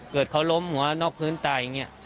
เกิดเขาล้มหัวนอกพื้นตายอย่างนี้